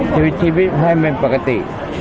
ชีวิตชีวิตให้มันปกติ